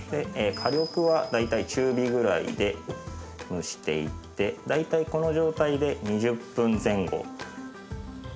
火力は大体中火くらいで蒸していって大体この状態で２０分前後。